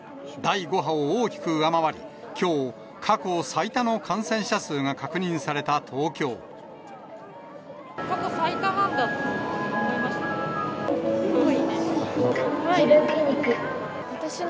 第５波を大きく上回り、きょう、過去最多の感染者数が確認された過去最多なんだと思いました。